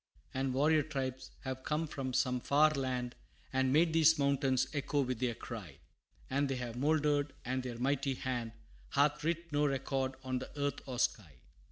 And warrior tribes have come from some far land, And made these mountains echo with their cry And they have mouldered and their mighty hand Hath writ no record on the earth or sky!